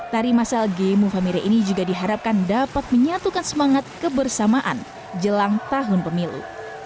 tari masal gemu famire ini juga diharapkan dapat menyatukan semangat kebersamaan jelang tahun pemilu